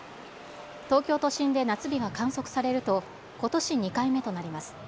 東京都心で夏日が観測されるとことし２回目となります。